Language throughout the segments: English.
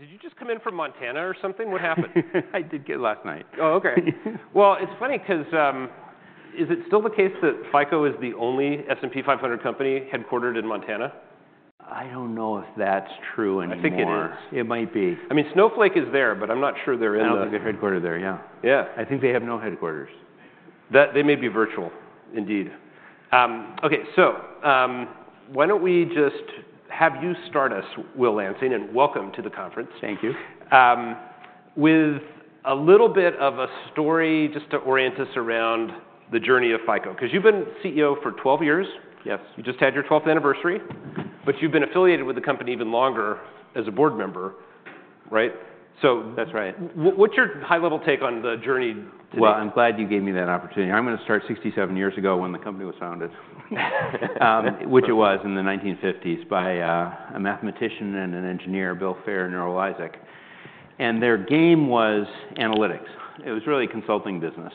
Did you just come in from Montana or something? What happened? I did get in last night. Oh, okay. Well, it's funny 'cause, is it still the case that FICO is the only S&P 500 company headquartered in Montana? I don't know if that's true anymore. I think it is. It might be. I mean, Snowflake is there, but I'm not sure they're in the- I don't think they're headquartered there, yeah. Yeah. I think they have no headquarters. They may be virtual, indeed. Okay, so, why don't we just have you start us, Will Lansing, and welcome to the conference- Thank you... with a little bit of a story, just to orient us around the journey of FICO. 'Cause you've been CEO for 12 years. Yes. You just had your 12th anniversary, but you've been affiliated with the company even longer as a board member, right? So- That's right. What's your high-level take on the journey to date? Well, I'm glad you gave me that opportunity. I'm gonna start 67 years ago, when the company was founded, which it was in the 1950s by a mathematician and an engineer, Bill Fair and Earl Isaac, and their game was analytics. It was really a consulting business,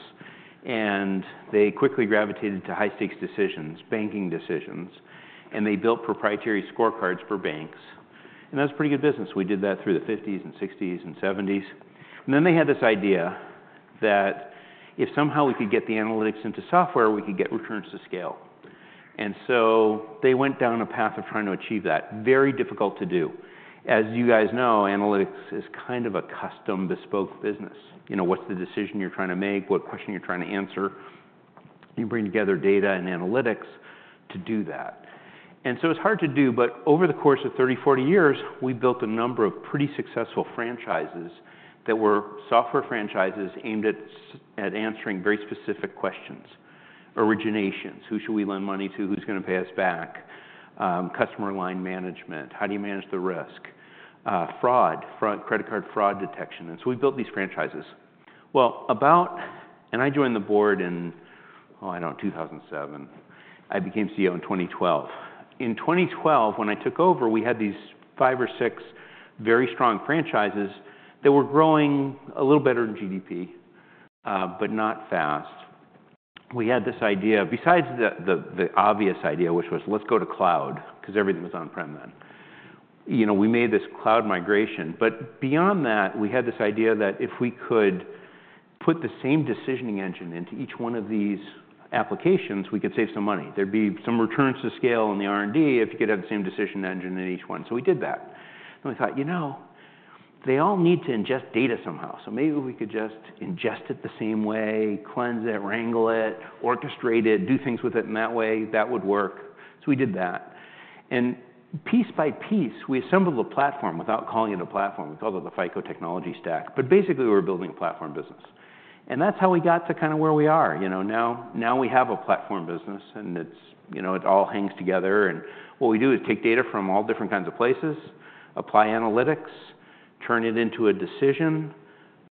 and they quickly gravitated to high-stakes decisions, banking decisions, and they built proprietary scorecards for banks, and that's pretty good business. We did that through the 1950s and 1960s and 1970s. And then they had this idea that if somehow we could get the analytics into software, we could get returns to scale. And so they went down a path of trying to achieve that. Very difficult to do. As you guys know, analytics is kind of a custom, bespoke business. You know, what's the decision you're trying to make? What question you're trying to answer? You bring together data and analytics to do that. So it's hard to do, but over the course of 30, 40 years, we've built a number of pretty successful franchises that were software franchises aimed at answering very specific questions. Originations: who should we lend money to? Who's gonna pay us back? Customer line management: how do you manage the risk? Fraud, credit card fraud detection. So we built these franchises. Well, I joined the board in, oh, I don't know, 2007. I became CEO in 2012. In 2012, when I took over, we had these five or six very strong franchises that were growing a little better than GDP, but not fast. We had this idea, besides the obvious idea, which was, "Let's go to cloud," 'cause everything was on-prem then. You know, we made this cloud migration, but beyond that, we had this idea that if we could put the same decisioning engine into each one of these applications, we could save some money. There'd be some returns to scale in the R&D if you could have the same decision engine in each one. So we did that, and we thought, You know, they all need to ingest data somehow, so maybe we could just ingest it the same way, cleanse it, wrangle it, orchestrate it, do things with it in that way. That would work. So we did that, and piece by piece, we assembled a platform without calling it a platform. We called it the FICO technology stack, but basically, we were building a platform business, and that's how we got to kind of where we are. You know, now, now we have a platform business and it's... You know, it all hangs together, and what we do is take data from all different kinds of places, apply analytics, turn it into a decision,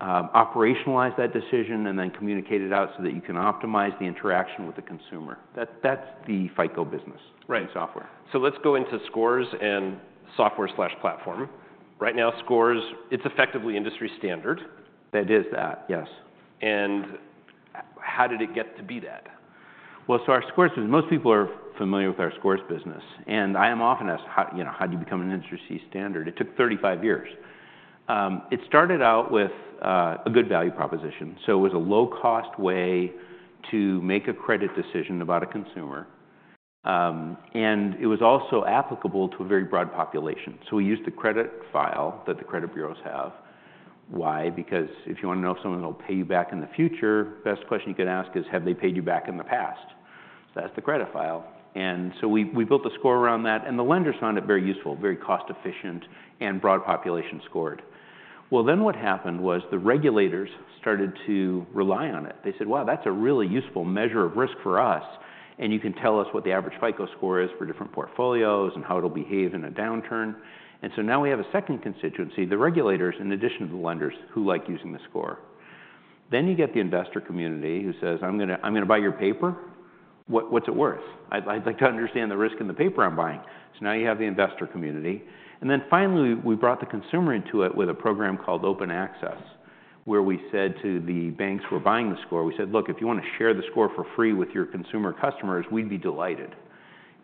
operationalize that decision, and then communicate it out, so that you can optimize the interaction with the consumer. That, that's the FICO business- Right -software. Let's go into scores and software slash platform. Right now, scores, it's effectively industry standard. It is that, yes. How did it get to be that? Well, so our scores, most people are familiar with our scores business, and I am often asked, "How, you know, how do you become an industry standard?" It took 35 years. It started out with a good value proposition, so it was a low-cost way to make a credit decision about a consumer. And it was also applicable to a very broad population. So we used the credit file that the credit bureaus have. Why? Because if you wanna know if someone will pay you back in the future, best question you can ask is, "Have they paid you back in the past?" So that's the credit file, and so we built a score around that, and the lenders found it very useful, very cost-efficient and broad population scored. Well, then what happened was the regulators started to rely on it. They said, "Wow, that's a really useful measure of risk for us, and you can tell us what the average FICO Score is for different portfolios and how it'll behave in a downturn." And so now we have a second constituency, the regulators, in addition to the lenders, who like using the score. Then you get the investor community, who says, "I'm gonna, I'm gonna buy your paper. What, what's it worth? I'd- I'd like to understand the risk in the paper I'm buying." So now you have the investor community. And then finally, we brought the consumer into it with a program called Open Access, where we said to the banks who were buying the score, we said, "Look, if you wanna share the score for free with your consumer customers, we'd be delighted."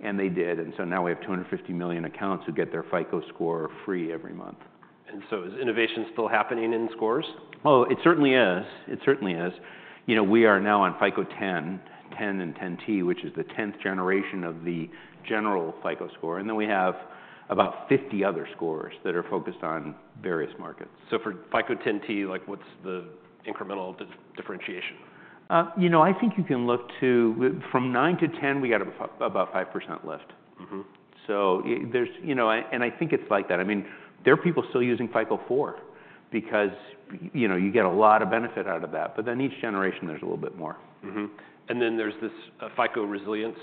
And they did, and so now we have 250 million accounts who get their FICO Score free every month. Is innovation still happening in scores? Oh, it certainly is. It certainly is. You know, we are now on FICO 10, 10 and 10 T, which is the tenth generation of the general FICO Score, and then we have about 50 other scores that are focused on various markets. For FICO 10 T, like, what's the incremental differentiation? You know, I think you can look to... from 9 to 10, we got a, about 5% lift. Mm-hmm. So there's, you know, and I think it's like that. I mean, there are people still using FICO 4 because, you know, you get a lot of benefit out of that, but then each generation, there's a little bit more. Mm-hmm. And then there's this, FICO Resilience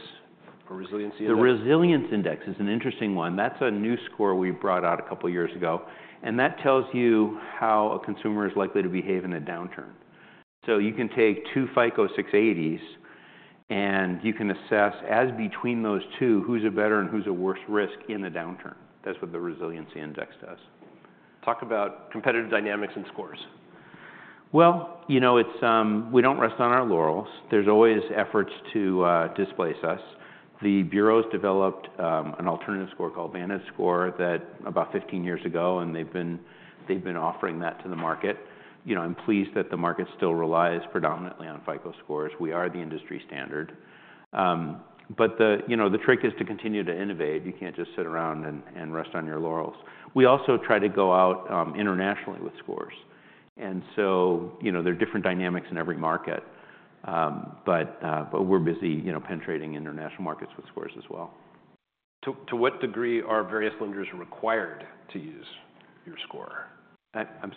or Resiliency Index? The Resilience Index is an interesting one. That's a new score we brought out a couple years ago, and that tells you how a consumer is likely to behave in a downturn. So you can take 2 FICO 680s, and you can assess, as between those 2, who's a better and who's a worse risk in the downturn. That's what the Resilience Index does. Talk about competitive dynamics and scores.... Well, you know, it's we don't rest on our laurels. There's always efforts to displace us. The bureaus developed an alternative score called VantageScore that about 15 years ago, and they've been offering that to the market. You know, I'm pleased that the market still relies predominantly on FICO scores. We are the industry standard. But you know, the trick is to continue to innovate. You can't just sit around and rest on your laurels. We also try to go out internationally with scores, and so, you know, there are different dynamics in every market. But we're busy, you know, penetrating international markets with scores as well. To what degree are various lenders required to use your score? I, I'm-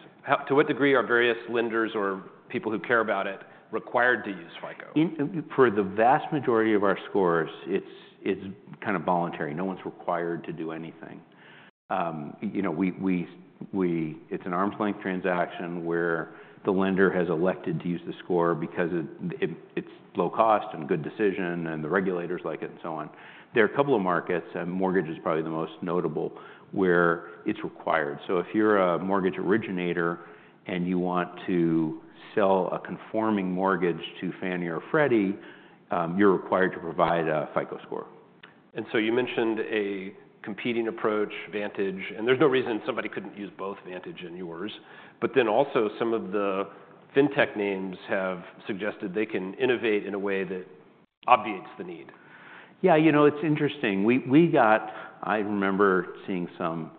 To what degree are various lenders or people who care about it required to use FICO? For the vast majority of our scores, it's kind of voluntary. No one's required to do anything. You know, it's an arm's-length transaction, where the lender has elected to use the score because it's low cost and good decision, and the regulators like it, and so on. There are a couple of markets, and mortgage is probably the most notable, where it's required. So if you're a mortgage originator and you want to sell a conforming mortgage to Fannie or Freddie, you're required to provide a FICO score. You mentioned a competing approach, Vantage, and there's no reason somebody couldn't use both Vantage and yours, but then also some of the fintech names have suggested they can innovate in a way that obviates the need. Yeah, you know, it's interesting. I remember seeing some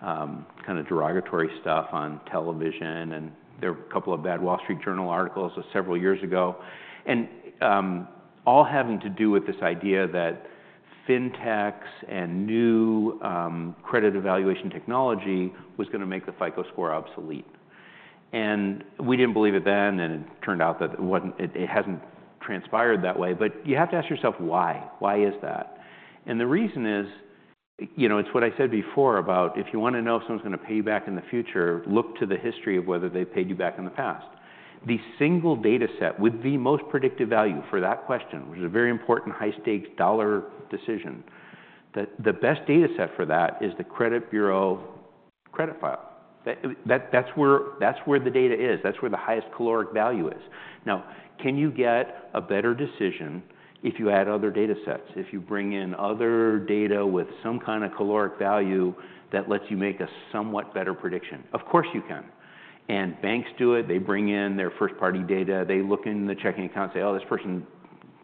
kind of derogatory stuff on television, and there were a couple of bad Wall Street Journal articles several years ago, and all having to do with this idea that fintechs and new credit evaluation technology was gonna make the FICO Score obsolete. And we didn't believe it then, and it turned out that it wasn't... It hasn't transpired that way. But you have to ask yourself, why? Why is that? And the reason is, you know, it's what I said before about if you wanna know if someone's gonna pay you back in the future, look to the history of whether they've paid you back in the past. The single data set with the most predictive value for that question, which is a very important, high-stakes dollar decision, that the best data set for that is the credit bureau credit file. That's where, that's where the data is. That's where the highest caloric value is. Now, can you get a better decision if you add other data sets, if you bring in other data with some kind of caloric value that lets you make a somewhat better prediction? Of course you can. And banks do it. They bring in their first-party data. They look in the checking account, say, "Oh, this person,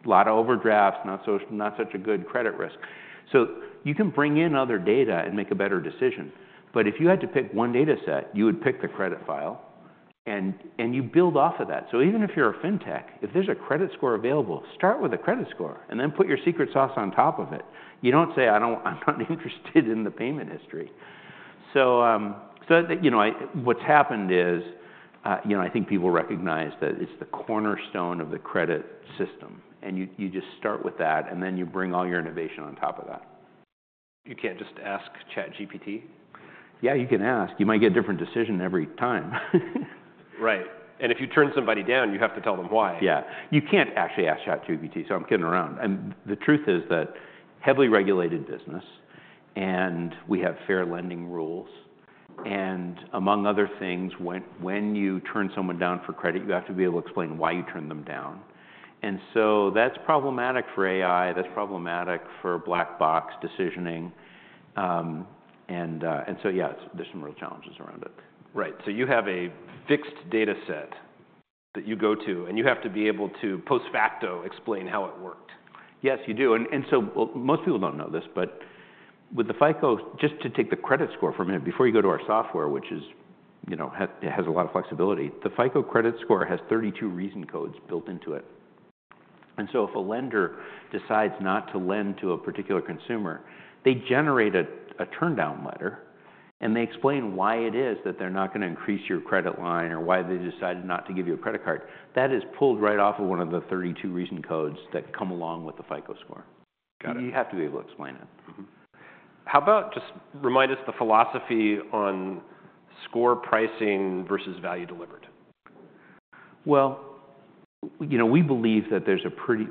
a lot of overdrafts, not such a good credit risk." So you can bring in other data and make a better decision, but if you had to pick one data set, you would pick the credit file, and you build off of that. So even if you're a fintech, if there's a credit score available, start with a credit score, and then put your secret sauce on top of it. You don't say, "I'm not interested in the payment history." So, you know, what's happened is, you know, I think people recognize that it's the cornerstone of the credit system, and you just start with that, and then you bring all your innovation on top of that. You can't just ask ChatGPT? Yeah, you can ask. You might get a different decision every time. Right. If you turn somebody down, you have to tell them why. Yeah. You can't actually ask ChatGPT, so I'm kidding around. And the truth is that heavily regulated business, and we have fair lending rules, and among other things, when you turn someone down for credit, you have to be able to explain why you turned them down. And so that's problematic for AI, that's problematic for black box decisioning. Yeah, there's some real challenges around it. Right. So you have a fixed data set that you go to, and you have to be able to, post facto, explain how it worked. Yes, you do. And so... Well, most people don't know this, but with the FICO, just to take the credit score for a minute, before you go to our software, which is, you know, has a lot of flexibility, the FICO Score has 32 reason codes built into it. And so if a lender decides not to lend to a particular consumer, they generate a turndown letter, and they explain why it is that they're not gonna increase your credit line or why they decided not to give you a credit card. That is pulled right off of one of the 32 reason codes that come along with the FICO Score. Got it. You have to be able to explain it. Mm-hmm. How about just remind us the philosophy on score pricing versus value delivered? Well, you know, we believe that there's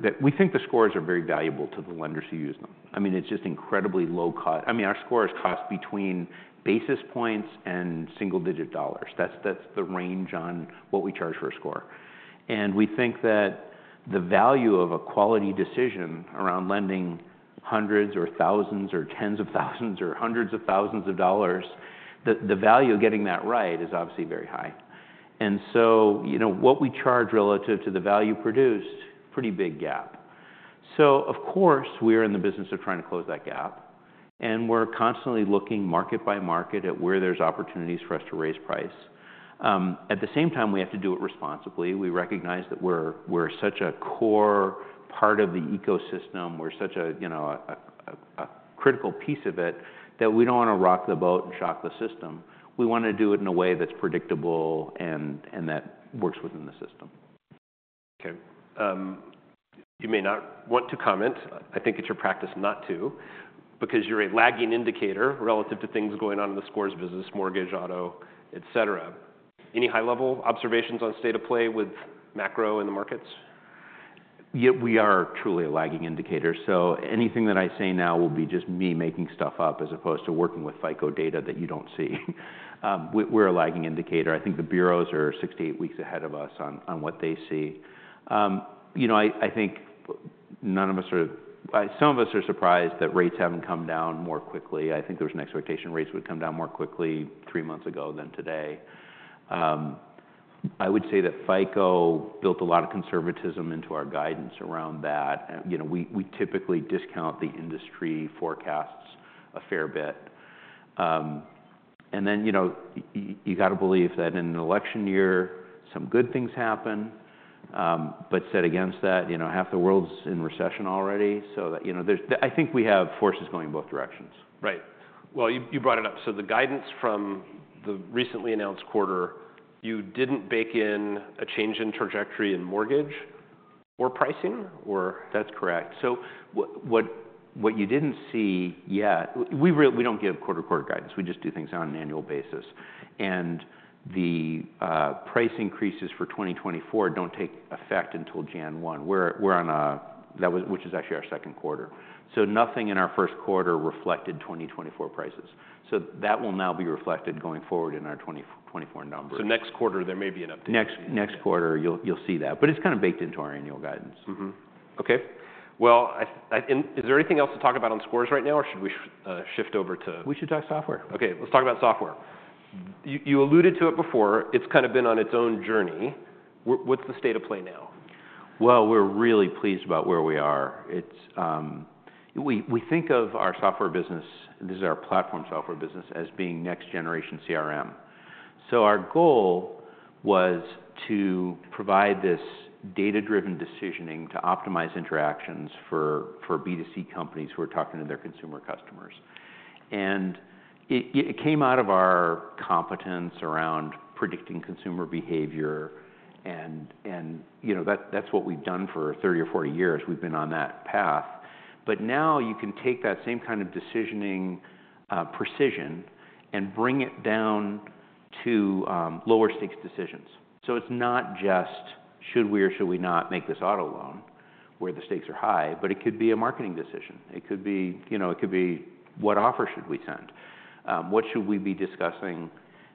that we think the scores are very valuable to the lenders who use them. I mean, it's just incredibly low cost. I mean, our scores cost between basis points and single-digit dollars. That's the range on what we charge for a score. And we think that the value of a quality decision around lending hundreds or thousands or tens of thousands or hundreds of thousands of dollars, the value of getting that right is obviously very high. And so, you know, what we charge relative to the value produced, pretty big gap. So of course, we're in the business of trying to close that gap, and we're constantly looking market by market at where there's opportunities for us to raise price. At the same time, we have to do it responsibly. We recognize that we're such a core part of the ecosystem, we're such a, you know, a critical piece of it, that we don't want to rock the boat and shock the system. We want to do it in a way that's predictable and that works within the system. Okay. You may not want to comment. I think it's your practice not to, because you're a lagging indicator relative to things going on in the scores business, mortgage, auto, et cetera. Any high-level observations on state of play with macro in the markets? ... Yeah, we are truly a lagging indicator, so anything that I say now will be just me making stuff up as opposed to working with FICO data that you don't see. We, we're a lagging indicator. I think the bureaus are 6-8 weeks ahead of us on what they see. You know, I think some of us are surprised that rates haven't come down more quickly. I think there was an expectation that rates would come down more quickly three months ago than today. I would say that FICO built a lot of conservatism into our guidance around that. And, you know, we typically discount the industry forecasts a fair bit. You know, you gotta believe that in an election year, some good things happen. But set against that, you know, half the world's in recession already. So that, you know, there's, I think we have forces going both directions. Right. Well, you, you brought it up. So the guidance from the recently announced quarter, you didn't bake in a change in trajectory in mortgage or pricing, or? That's correct. So what you didn't see yet... We really don't give quarter-to-quarter guidance, we just do things on an annual basis. And the price increases for 2024 don't take effect until January 1, which is actually our second quarter. So nothing in our first quarter reflected 2024 prices. So that will now be reflected going forward in our 2024 numbers. So next quarter, there may be an update? Next quarter, you'll see that, but it's kind of baked into our annual guidance. Mm-hmm. Okay. Well, and is there anything else to talk about on scores right now, or should we shift over to- We should talk software. Okay, let's talk about software. You alluded to it before, it's kind of been on its own journey. What's the state of play now? Well, we're really pleased about where we are. It's. We think of our software business, this is our platform software business, as being next generation CRM. So our goal was to provide this data-driven decisioning to optimize interactions for B2C companies who are talking to their consumer customers. And it came out of our competence around predicting consumer behavior and, you know, that's what we've done for 30 or 40 years. We've been on that path. But now you can take that same kind of decisioning, precision and bring it down to lower stakes decisions. So it's not just should we or should we not make this auto loan, where the stakes are high, but it could be a marketing decision. It could be, you know, it could be, what offer should we send? What should we be discussing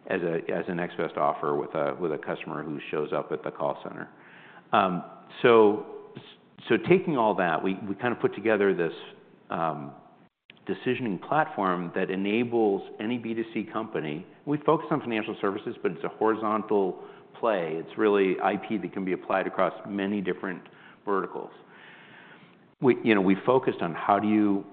as a next best offer with a customer who shows up at the call center? So taking all that, we kind of put together this decisioning platform that enables any B2C company... We focus on financial services, but it's a horizontal play. It's really IP that can be applied across many different verticals. You know, we focused on how do you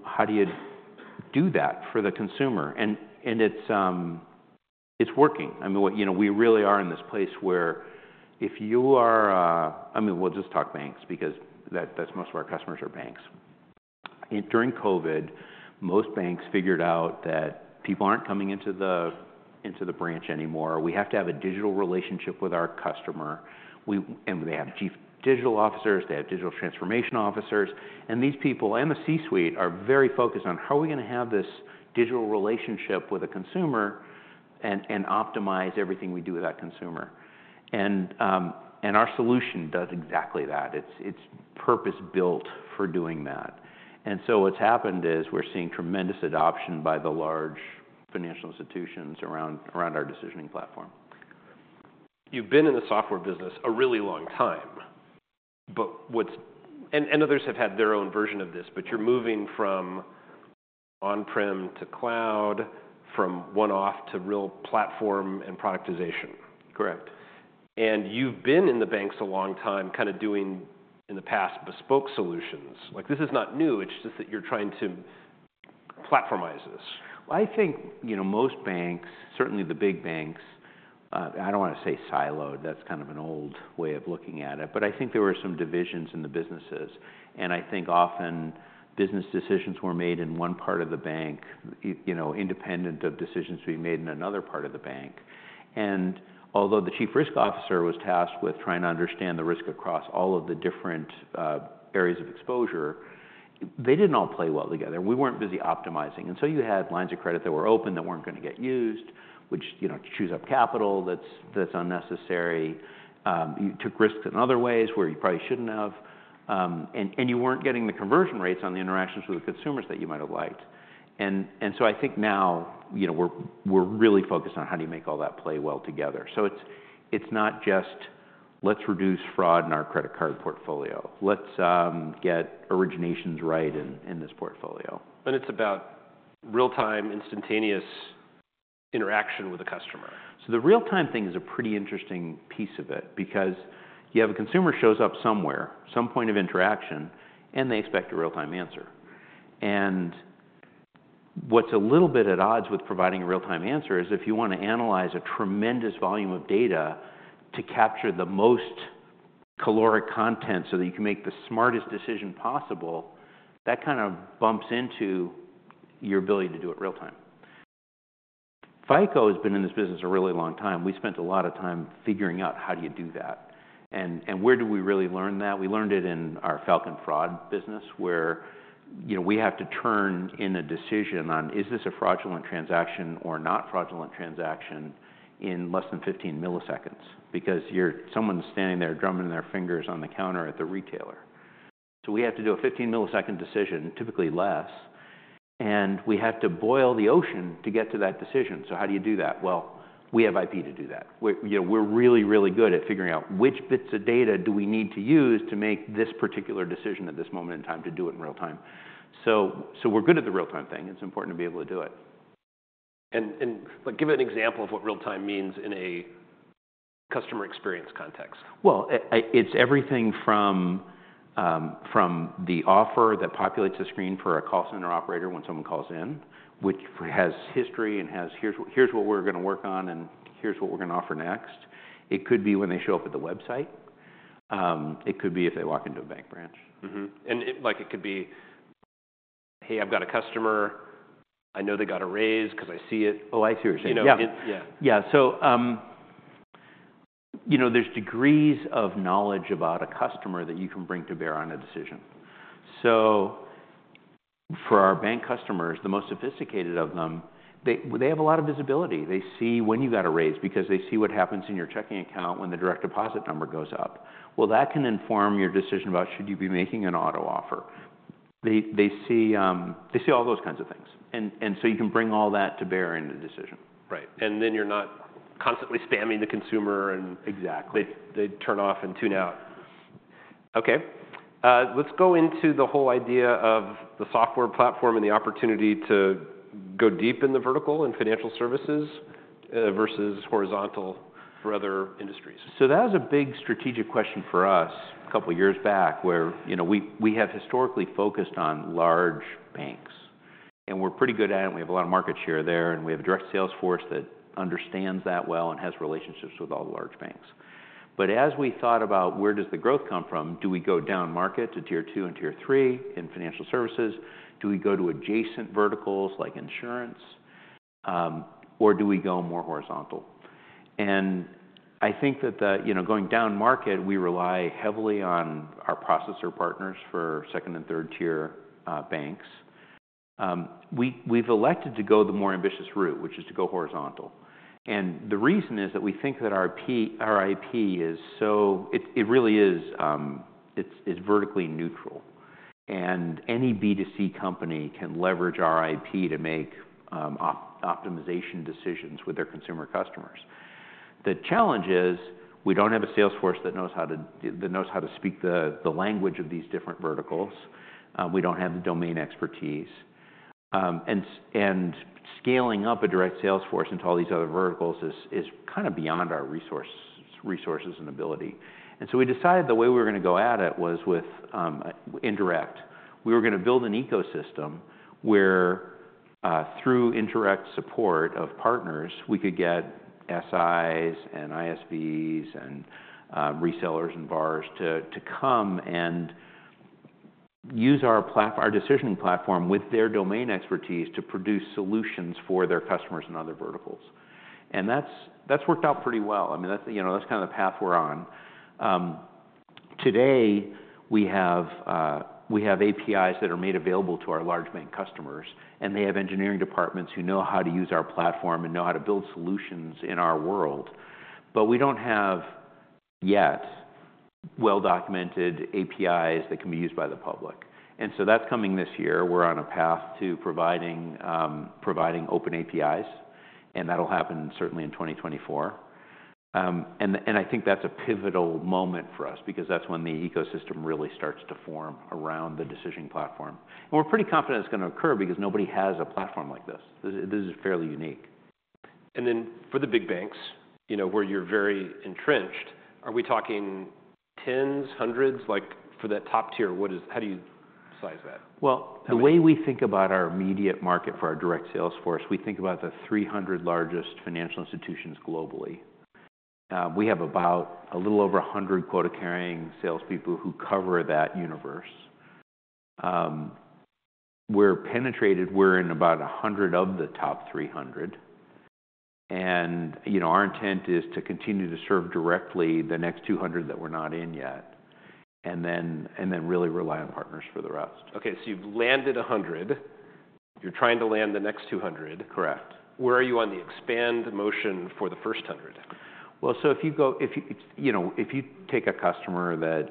do that for the consumer? And it's working. I mean, you know, we really are in this place where if you are... I mean, we'll just talk banks, because that's most of our customers are banks. During COVID, most banks figured out that people aren't coming into the branch anymore. We have to have a digital relationship with our customer. And they have chief digital officers, they have digital transformation officers, and these people, and the C-suite, are very focused on: How are we gonna have this digital relationship with a consumer and optimize everything we do with that consumer? And our solution does exactly that. It's purpose-built for doing that. And so what's happened is, we're seeing tremendous adoption by the large financial institutions around our decisioning platform. You've been in the software business a really long time, but what's, and others have had their own version of this, but you're moving from on-prem to cloud, from one-off to real platform and productization. Correct. You've been in the banks a long time, kind of doing, in the past, bespoke solutions. Like, this is not new, it's just that you're trying to platformize this. I think, you know, most banks, certainly the big banks, I don't wanna say siloed, that's kind of an old way of looking at it, but I think there were some divisions in the businesses, and I think often business decisions were made in one part of the bank, you know, independent of decisions being made in another part of the bank. And although the Chief Risk Officer was tasked with trying to understand the risk across all of the different areas of exposure, they didn't all play well together. We weren't busy optimizing. And so you had lines of credit that were open that weren't gonna get used, which, you know, chews up capital that's, that's unnecessary. You took risks in other ways where you probably shouldn't have, and you weren't getting the conversion rates on the interactions with the consumers that you might have liked. And so I think now, you know, we're really focused on how do you make all that play well together. So it's not just, "Let's reduce fraud in our credit card portfolio. Let's get originations right in this portfolio. It's about real-time, instantaneous interaction with the customer. The real-time thing is a pretty interesting piece of it, because you have a consumer shows up somewhere, some point of interaction, and they expect a real-time answer. What's a little bit at odds with providing a real-time answer is, if you want to analyze a tremendous volume of data to capture the most caloric content, so that you can make the smartest decision possible, that kind of bumps into your ability to do it real time. FICO has been in this business a really long time. We spent a lot of time figuring out, how do you do that, and where do we really learn that? We learned it in our Falcon Fraud business, where-... You know, we have to turn in a decision on, is this a fraudulent transaction or not fraudulent transaction, in less than 15 milliseconds, because you're- someone's standing there drumming their fingers on the counter at the retailer. So we have to do a 15-millisecond decision, typically less, and we have to boil the ocean to get to that decision. So how do you do that? Well, we have IP to do that, we- you know, we're really, really good at figuring out which bits of data do we need to use to make this particular decision at this moment in time to do it in real time. So, so we're good at the real time thing. It's important to be able to do it. Give an example of what real time means in a customer experience context. Well, it's everything from the offer that populates the screen for a call center operator when someone calls in, which has history and has, "Here's what, here's what we're gonna work on, and here's what we're gonna offer next." It could be when they show up at the website, it could be if they walk into a bank branch. Mm-hmm. And it—like, it could be, "Hey, I've got a customer, I know they got a raise 'cause I see it. Oh, I see what you're saying. You know, Yeah. Yeah. Yeah, so, you know, there's degrees of knowledge about a customer that you can bring to bear on a decision. So for our bank customers, the most sophisticated of them, they, they have a lot of visibility. They see when you got a raise, because they see what happens in your checking account when the direct deposit number goes up. Well, that can inform your decision about should you be making an auto offer? They, they see, they see all those kinds of things, and, and so you can bring all that to bear in the decision. Right. And then you're not constantly spamming the consumer, and- Exactly... they turn off and tune out. Okay, let's go into the whole idea of the software platform and the opportunity to go deep in the vertical in financial services versus horizontal for other industries. So that was a big strategic question for us a couple of years back, where, you know, we have historically focused on large banks, and we're pretty good at it, and we have a lot of market share there, and we have a direct sales force that understands that well and has relationships with all the large banks. But as we thought about where does the growth come from, do we go down market to tier two and tier three in financial services? Do we go to adjacent verticals like insurance, or do we go more horizontal? And I think that the, you know, going down market, we rely heavily on our processor partners for second and third-tier banks. We've elected to go the more ambitious route, which is to go horizontal, and the reason is that we think that our IP is so... It really is, it's vertically neutral, and any B2C company can leverage our IP to make optimization decisions with their consumer customers. The challenge is, we don't have a sales force that knows how to speak the language of these different verticals. We don't have the domain expertise, and scaling up a direct sales force into all these other verticals is kind of beyond our resources and ability. And so we decided the way we were gonna go at it was with indirect. We were gonna build an ecosystem where, through indirect support of partners, we could get SIs and ISVs and, resellers and VARs to, to come and use our decision platform with their domain expertise to produce solutions for their customers in other verticals. That's, that's worked out pretty well. I mean, that's, you know, that's kind of the path we're on. Today, we have, we have APIs that are made available to our large bank customers, and they have engineering departments who know how to use our platform and know how to build solutions in our world. But we don't have, yet, well-documented APIs that can be used by the public, and so that's coming this year. We're on a path to providing, providing open APIs, and that'll happen certainly in 2024. And I think that's a pivotal moment for us because that's when the ecosystem really starts to form around the decision platform. And we're pretty confident it's gonna occur because nobody has a platform like this. This is fairly unique. And then for the big banks, you know, where you're very entrenched, are we talking tens, hundreds? Like, for that top tier, what is—how do you size that? Well- I mean-... the way we think about our immediate market for our direct sales force, we think about the 300 largest financial institutions globally. We have about a little over 100 quota-carrying salespeople who cover that universe. We're penetrated, we're in about 100 of the top 300, and, you know, our intent is to continue to serve directly the next 200 that we're not in yet, and then really rely on partners for the rest. Okay, so you've landed 100. You're trying to land the next 200. Correct. Where are you on the expand motion for the first 100? Well, so if you go... If you, you know, if you take a customer that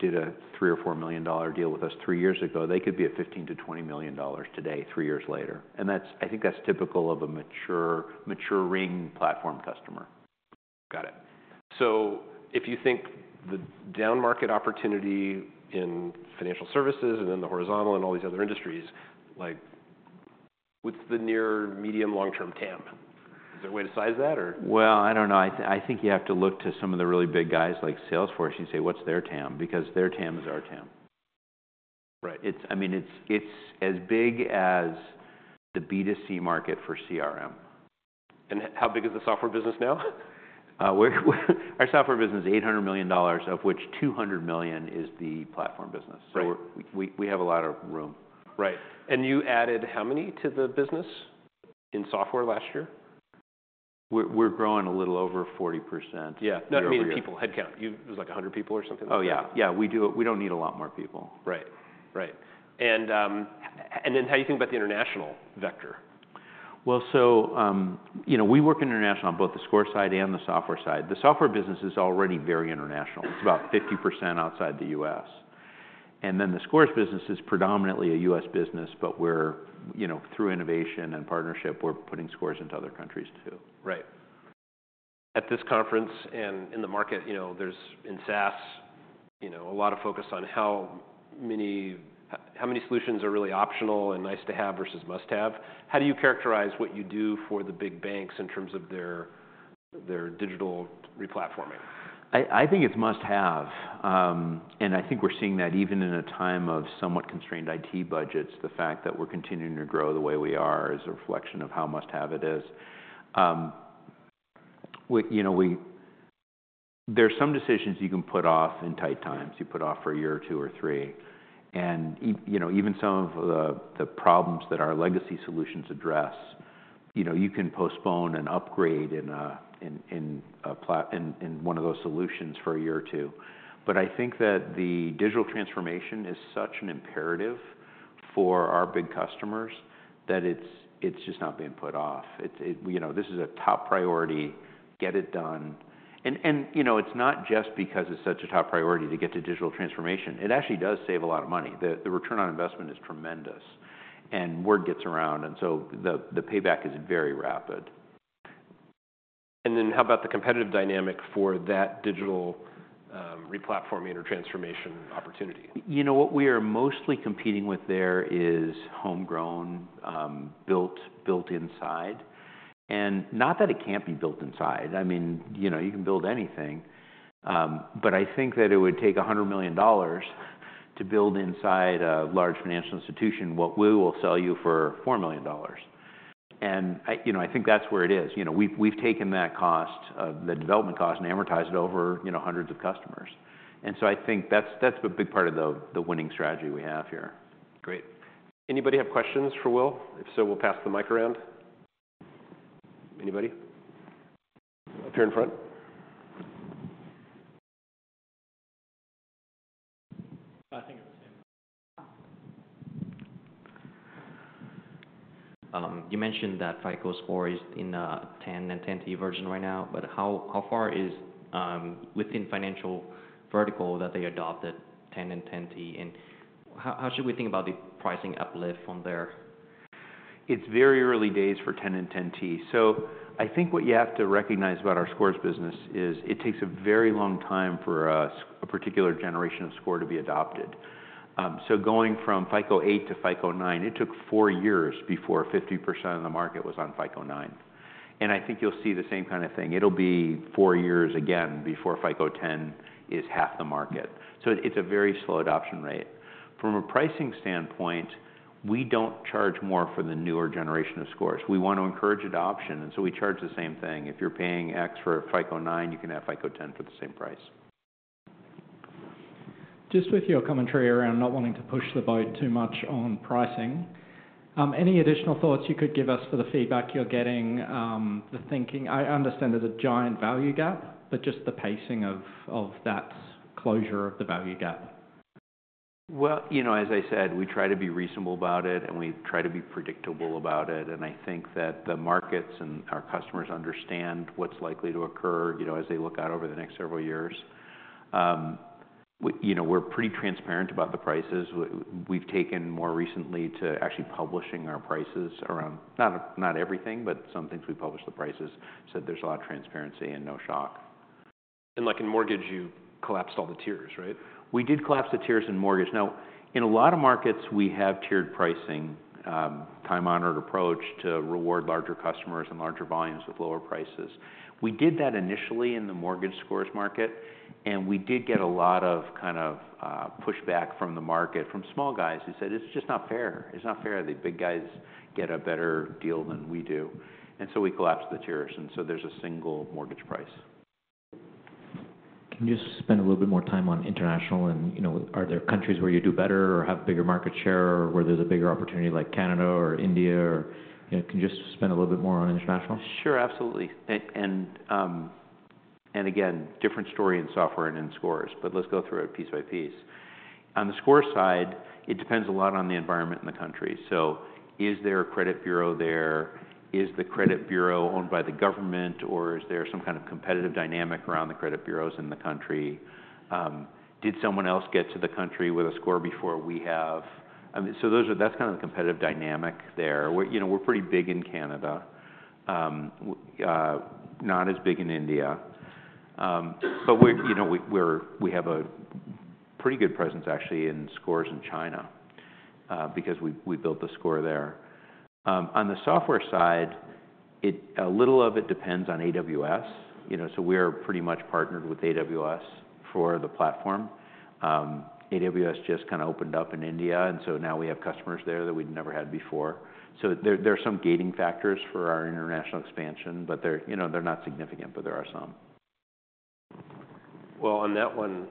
did a $3-$4 million deal with us three years ago, they could be at $15-$20 million today, three years later. That's, I think that's typical of a mature, maturing platform customer. Got it. So if you think the down-market opportunity in financial services and in the horizontal and all these other industries, like, what's the near medium, long-term TAM? Is there a way to size that, or? Well, I don't know. I think you have to look to some of the really big guys like Salesforce, and say, "What's their TAM?" Because their TAM is our TAM. Right. I mean, it's as big as the B2C market for CRM. How big is the software business now? Our software business is $800 million, of which $200 million is the platform business. Right. So we have a lot of room. Right. You added how many to the business in software last year? ... We're growing a little over 40%. Yeah. Yeah. No, I mean, in people, headcount. You-- There's, like, 100 people or something? Oh, yeah. Yeah, we do it. We don't need a lot more people. Right. Right. And then how do you think about the international vector? Well, so, you know, we work international on both the score side and the software side. The software business is already very international. It's about 50% outside the US. And then the scores business is predominantly a US business, but we're, you know, through innovation and partnership, we're putting scores into other countries, too. Right. At this conference and in the market, you know, there's, in SaaS, you know, a lot of focus on how many solutions are really optional and nice to have versus must-have. How do you characterize what you do for the big banks in terms of their, their digital replatforming? I think it's must-have, and I think we're seeing that even in a time of somewhat constrained IT budgets, the fact that we're continuing to grow the way we are is a reflection of how must-have it is. We, you know, we. There are some decisions you can put off in tight times, you put off for a year or two or three, and you know, even some of the problems that our legacy solutions address, you know, you can postpone an upgrade in one of those solutions for a year or two. But I think that the digital transformation is such an imperative for our big customers, that it's just not being put off. It. You know, this is a top priority, get it done. You know, it's not just because it's such a top priority to get to digital transformation. It actually does save a lot of money. The return on investment is tremendous, and word gets around, and so the payback is very rapid. Then how about the competitive dynamic for that digital replatforming or transformation opportunity? You know, what we are mostly competing with there is homegrown, built inside. And not that it can't be built inside, I mean, you know, you can build anything, but I think that it would take $100 million to build inside a large financial institution what we will sell you for $4 million. And, you know, I think that's where it is. You know, we've taken that cost of the development cost and amortized it over, you know, hundreds of customers, and so I think that's a big part of the winning strategy we have here. Great. Anybody have questions for Will? If so, we'll pass the mic around. Anybody? Up here in front. I think it was him. You mentioned that FICO Score is in a 10 and 10 T version right now, but how far is within financial vertical that they adopted 10 and 10 T, and how should we think about the pricing uplift from there? It's very early days for 10 and 10T. So I think what you have to recognize about our scores business is, it takes a very long time for a particular generation of score to be adopted. So going from FICO 8 to FICO 9, it took four years before 50% of the market was on FICO 9. And I think you'll see the same kind of thing. It'll be four years again before FICO 10 is half the market. So it's a very slow adoption rate. From a pricing standpoint, we don't charge more for the newer generation of scores. We want to encourage adoption, and so we charge the same thing. If you're paying X for a FICO 9, you can have FICO 10 for the same price. Just with your commentary around not wanting to push the boat too much on pricing, any additional thoughts you could give us for the feedback you're getting, the thinking? I understand there's a giant value gap, but just the pacing of that closure of the value gap. Well, you know, as I said, we try to be reasonable about it, and we try to be predictable about it, and I think that the markets and our customers understand what's likely to occur, you know, as they look out over the next several years. You know, we're pretty transparent about the prices. We've taken more recently to actually publishing our prices around... Not, not everything, but some things we publish the prices, so there's a lot of transparency and no shock. Like in mortgage, you collapsed all the tiers, right? We did collapse the tiers in mortgage. Now, in a lot of markets, we have tiered pricing, time-honored approach to reward larger customers and larger volumes with lower prices. We did that initially in the mortgage scores market, and we did get a lot of kind of, pushback from the market, from small guys who said: "It's just not fair. It's not fair that the big guys get a better deal than we do." And so we collapsed the tiers, and so there's a single mortgage price. Can you just spend a little bit more time on international and, you know, are there countries where you do better or have bigger market share, or where there's a bigger opportunity, like Canada or India or... You know, can you just spend a little bit more on international? Sure, absolutely. And again, different story in software and in scores, but let's go through it piece by piece. On the score side, it depends a lot on the environment in the country. So is there a credit bureau there? Is the credit bureau owned by the government, or is there some kind of competitive dynamic around the credit bureaus in the country? Did someone else get to the country with a score before we have? I mean, so that's kind of the competitive dynamic there. We're, you know, we're pretty big in Canada. Not as big in India. But we're, you know, we have a pretty good presence actually in scores in China, because we built the score there. On the software side, it, a little of it depends on AWS. You know, so we are pretty much partnered with AWS for the platform. AWS just kinda opened up in India, and so now we have customers there that we'd never had before. So there are some gating factors for our international expansion, but they're, you know, they're not significant, but there are some. ... Well, on that one,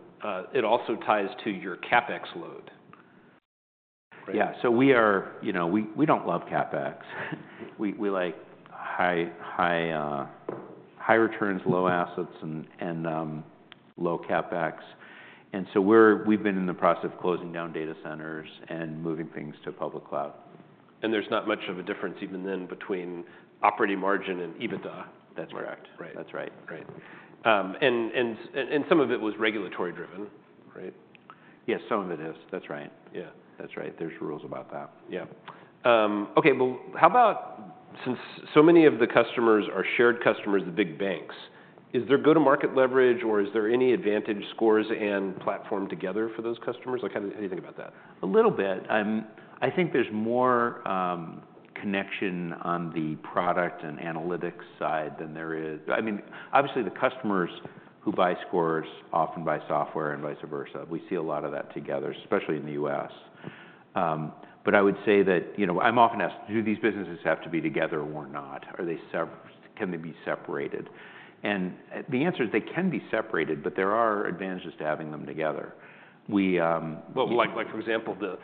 it also ties to your CapEx load, right? Yeah. So we are, you know, we don't love CapEx. We like high returns, low assets, and low CapEx. And so we've been in the process of closing down data centers and moving things to public cloud. There's not much of a difference even then between operating margin and EBITDA? That's correct. Right. That's right. Right. And some of it was regulatory driven, right? Yes, some of it is. That's right. Yeah. That's right. There's rules about that. Yeah. Okay, well, how about since so many of the customers are shared customers of the big banks, is there good market leverage or is there any advantage Scores and Platform together for those customers? Like, how do you think about that? A little bit. I think there's more connection on the product and analytics side than there is. I mean, obviously, the customers who buy Scores often buy Software, and vice versa. We see a lot of that together, especially in the U.S. But I would say that, you know, I'm often asked, "Do these businesses have to be together or not? Are they can they be separated?" And the answer is they can be separated, but there are advantages to having them together. We, we- Well, like, like, for example, the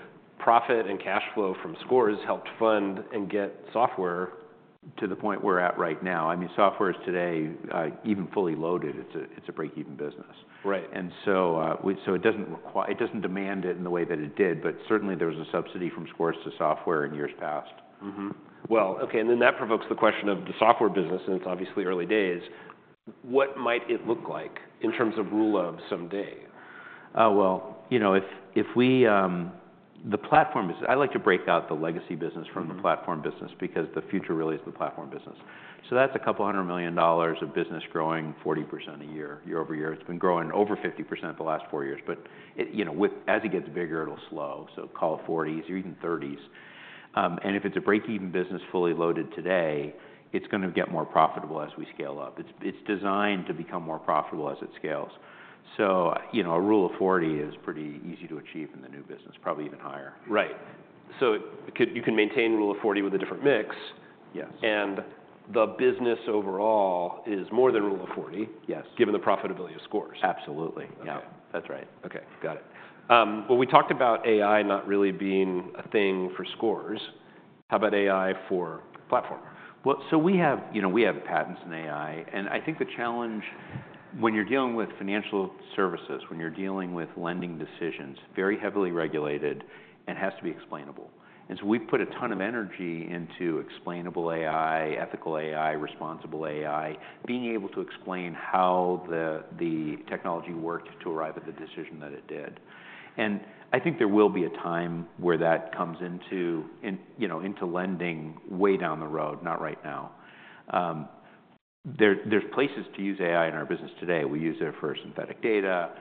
profit and cash flow from Scores helped fund and get Software- To the point we're at right now. I mean, Software is today, even fully loaded, it's a break-even business. Right. So, it doesn't demand it in the way that it did, but certainly, there was a subsidy from Scores to Software in years past. Mm-hmm. Well, okay, and then that provokes the question of the Software business, and it's obviously early days. What might it look like in terms of Rule of 70? Well, you know, if we, the Platform is. I like to break out the legacy business- Mm-hmm... from the Platform business because the future really is the Platform business. So that's $200 million of business growing 40% a year, year-over-year. It's been growing over 50% the last four years, but it, you know, as it gets bigger, it'll slow. So call it 40s or even 30s. And if it's a break-even business fully loaded today, it's gonna get more profitable as we scale up. It's, it's designed to become more profitable as it scales. So, you know, a Rule of 40 is pretty easy to achieve in the new business, probably even higher. Right. So you can maintain Rule of 40 with a different mix? Yes. The business overall is more than Rule of 40- Yes Given the profitability of Scores. Absolutely. Yeah. That's right. Okay, got it. Well, we talked about AI not really being a thing for Scores. How about AI for Platform? Well, so we have, you know, we have patents in AI, and I think the challenge when you're dealing with financial services, when you're dealing with lending decisions, very heavily regulated and has to be explainable. And so we've put a ton of energy into explainable AI, ethical AI, responsible AI, being able to explain how the technology worked to arrive at the decision that it did. And I think there will be a time where that comes into, you know, into lending way down the road, not right now. There's places to use AI in our business today. We use it for synthetic data.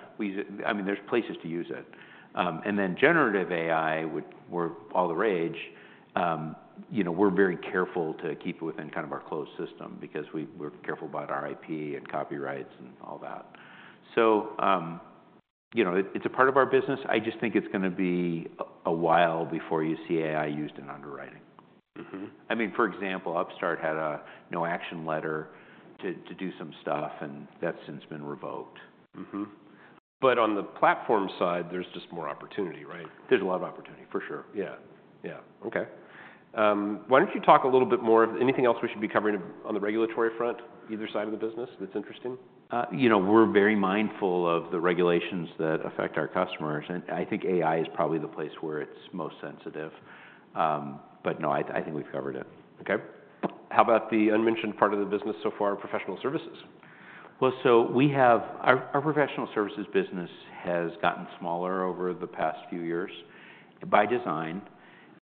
I mean, there's places to use it. And then generative AI, which is all the rage, you know, we're very careful to keep it within kind of our closed system because we're careful about our IP and copyrights and all that. So, you know, it, it's a part of our business. I just think it's gonna be a while before you see AI used in underwriting. Mm-hmm. I mean, for example, Upstart had a no-action letter to do some stuff, and that's since been revoked. Mm-hmm. But on the Platform side, there's just more opportunity, right? There's a lot of opportunity, for sure. Yeah. Yeah. Okay. Why don't you talk a little bit more, anything else we should be covering on the regulatory front, either side of the business that's interesting? You know, we're very mindful of the regulations that affect our customers, and I think AI is probably the place where it's most sensitive. But no, I think we've covered it. Okay. How about the unmentioned part of the business so far, professional services? Well, so we have our professional services business has gotten smaller over the past few years by design,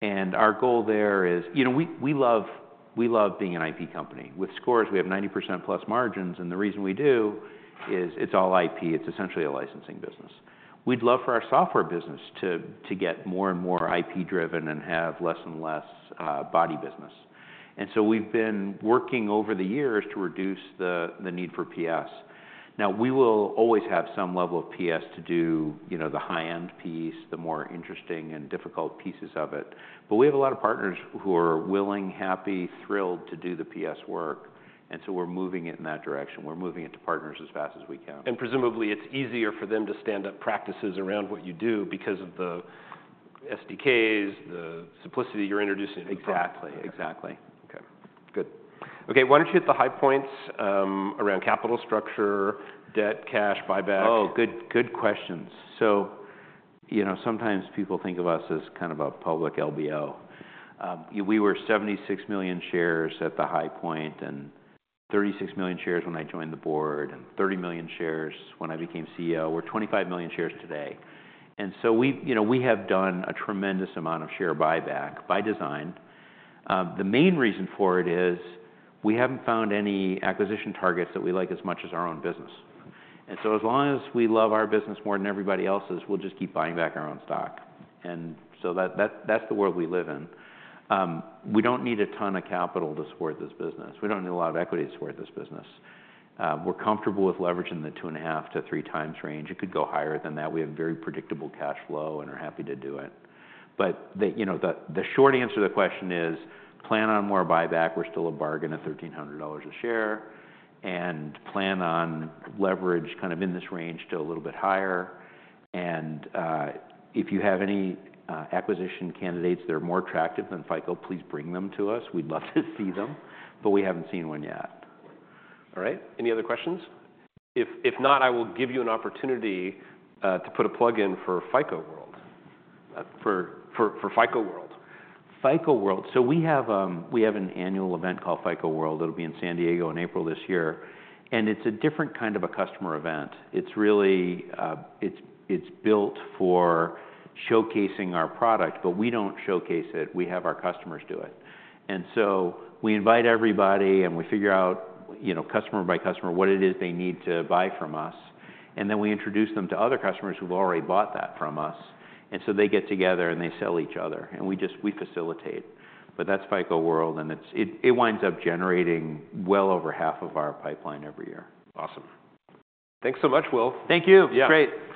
and our goal there is you know, we love being an IP company. With Scores, we have 90%+ margins, and the reason we do is it's all IP. It's essentially a licensing business. We'd love for our Software business to get more and more IP-driven and have less and less body business. And so we've been working over the years to reduce the need for PS. Now, we will always have some level of PS to do, you know, the high-end piece, the more interesting and difficult pieces of it, but we have a lot of partners who are willing, happy, thrilled to do the PS work, and so we're moving it in that direction. We're moving it to partners as fast as we can. Presumably, it's easier for them to stand up practices around what you do because of the SDKs, the simplicity you're introducing. Exactly. Exactly. Okay, good. Okay, why don't you hit the high points around capital structure, debt, cash, buyback? Oh, good, good questions. So, you know, sometimes people think of us as kind of a public LBO. We were 76 million shares at the high point, and 36 million shares when I joined the board, and 30 million shares when I became CEO. We're 25 million shares today. And so we, you know, we have done a tremendous amount of share buyback by design. The main reason for it is we haven't found any acquisition targets that we like as much as our own business. And so as long as we love our business more than everybody else's, we'll just keep buying back our own stock. And so that, that, that's the world we live in. We don't need a ton of capital to support this business. We don't need a lot of equity to support this business. We're comfortable with leverage in the 2.5-3 times range. It could go higher than that. We have very predictable cash flow and are happy to do it. But the, you know, the, the short answer to the question is, plan on more buyback. We're still a bargain at $1,300 a share, and plan on leverage kind of in this range to a little bit higher. And, if you have any, acquisition candidates that are more attractive than FICO, please bring them to us. We'd love to see them, but we haven't seen one yet. All right. Any other questions? If not, I will give you an opportunity to put a plug in for FICO World. For FICO World. FICO World. So we have an annual event called FICO World. It'll be in San Diego in April this year, and it's a different kind of a customer event. It's really, it's built for showcasing our product, but we don't showcase it, we have our customers do it. And so we invite everybody, and we figure out, you know, customer by customer, what it is they need to buy from us, and then we introduce them to other customers who've already bought that from us. And so they get together, and they sell each other, and we just, we facilitate. But that's FICO World, and it winds up generating well over half of our pipeline every year. Awesome. Thanks so much, Will. Thank you! Yeah. Great.